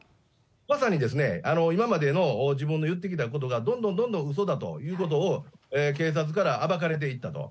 まさに今までの自分の言ってきたことがどんどんどんどんうそだということを、警察から暴かれていったと。